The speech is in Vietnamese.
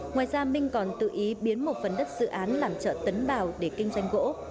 ngoài ra minh còn tự ý biến một phần đất dự án làm chợ tấn bào để kinh doanh gỗ